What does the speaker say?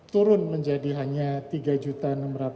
turun menjadi hanya tiga enam juta